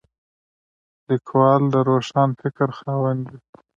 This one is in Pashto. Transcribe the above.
لیکوال د روښان فکر خاوند وي.